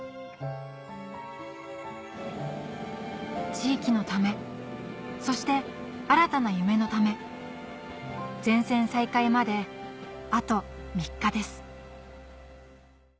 地域のためそして新たな夢のため全線再開まであと３日です